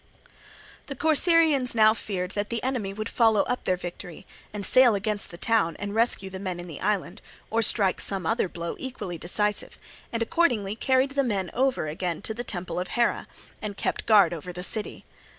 The Corcyraeans now feared that the enemy would follow up their victory and sail against the town and rescue the men in the island, or strike some other blow equally decisive, and accordingly carried the men over again to the temple of Hera, and kept guard over the city.